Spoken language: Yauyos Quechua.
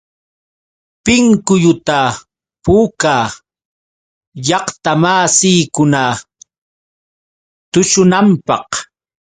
Pinkulluta puukaa llaqtamasiikuna tushunanpaq.